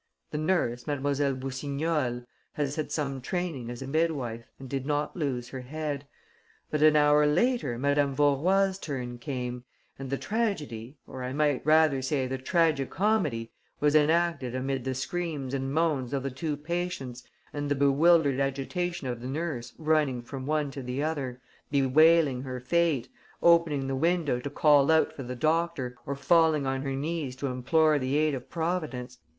The nurse, Mlle. Boussignol, had had some training as a midwife and did not lose her head. But, an hour later, Madame Vaurois' turn came; and the tragedy, or I might rather say the tragi comedy, was enacted amid the screams and moans of the two patients and the bewildered agitation of the nurse running from one to the other, bewailing her fate, opening the window to call out for the doctor or falling on her knees to implore the aid of Providence....